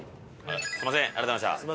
すみませんありがとうございました。